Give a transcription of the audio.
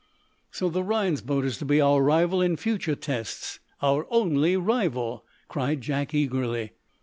"So the Rhinds boat is to be our rival in future tests our only rival?" cried Jack, eagerly.